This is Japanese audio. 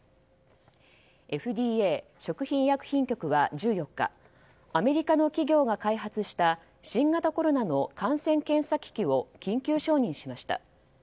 ＦＤＡ・食品医薬品局は１４日アメリカの企業が開発した新型コロナの感染検査機器を緊急承認しました。